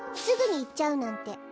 すぐにいっちゃうなんて。